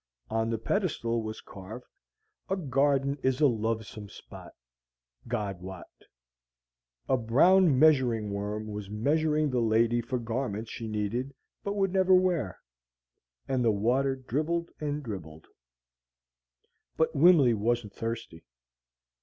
On the pedestal was carved, "A garden is a lovesome spot, God wot." A brown measuring worm was measuring the lady for garments she needed but would never wear. And the water dribbled and dribbled. But Wimley wasn't thirsty.